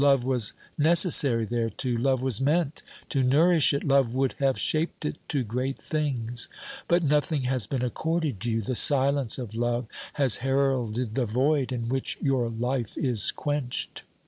Love was neces sary thereto, love was meant to nourish it, love would have shaped it to great things ; but nothing has been accorded you : the silence of love has heralded the void in which your life is quenched.